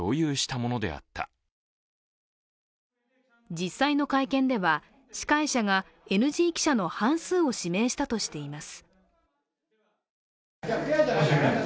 実際の会見では、司会者がＮＧ記者の半数を指名したとしています。